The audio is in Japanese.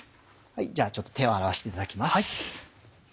じゃあ手を洗わせていただきます。